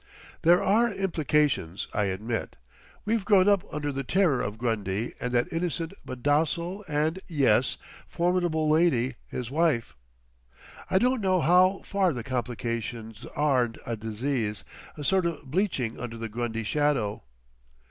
"There are complications, I admit. We've grown up under the terror of Grundy and that innocent but docile and—yes—formidable lady, his wife. I don't know how far the complications aren't a disease, a sort of bleaching under the Grundy shadow....